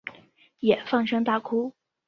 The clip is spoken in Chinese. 也放声大哭